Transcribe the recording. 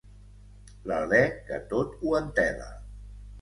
L'alè que tot ho entela.